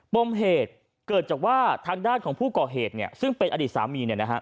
ปมเหตุเกิดจากว่าทางด้านของผู้ก่อเหตุซึ่งเป็นอดีตสามี